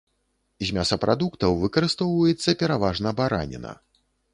З мясапрадуктаў выкарыстоўваецца пераважна бараніна.